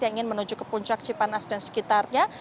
yang ingin menuju ke puncak cipanas dan sekitarnya